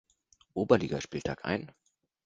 Oberligaspieltag ein.